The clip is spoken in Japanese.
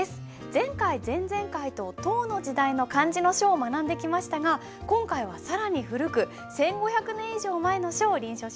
前回前々回と唐の時代の漢字の書を学んできましたが今回は更に古く１，５００年以上前の書を臨書します。